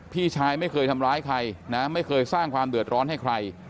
พี่ชายไม่เคยทำร้ายใครนะไม่เคยสร้างความเดือดร้อนให้ใคร